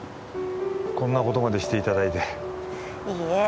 こんなことまでしていただいていいえ